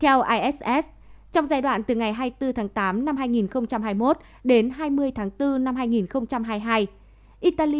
theo iss trong giai đoạn từ ngày hai mươi bốn tháng tám năm hai nghìn hai mươi một đến hai mươi tháng bốn năm hai nghìn hai mươi hai italy